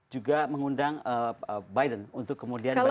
juga mengundang biden untuk kemudian bertemu